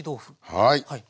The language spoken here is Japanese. はい。